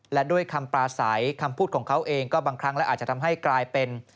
และด้วยคำปลาใสคำพูดของเขาเองก็บางครั้งและอาจจะทำให้กลายเป็น